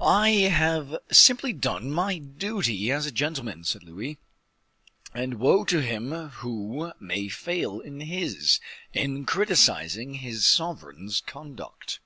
"I have simply done my duty as a gentleman," said Louis; "and woe to him who may fail in his, in criticising his sovereign's conduct."